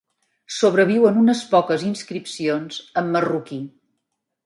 Sobreviuen unes poques inscripcions en marruquí.